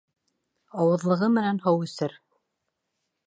Ауыҙлығы менән һыу эсер;